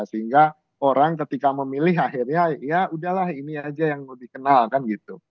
sehingga orang ketika memilih akhirnya ya udahlah ini aja yang mau dikenal kan gitu